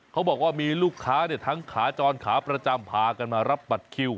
เขาบอกว่ามีลูกค้าทั้งขาจรขาประจำพากันมารับบัตรคิว